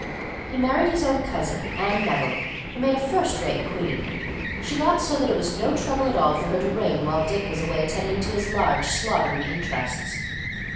He married his own cousin, Anne Neville, who made a first rate queen. She got so that it was no trouble at all for her to reign while Dick was away attending to his large slaughtering interests.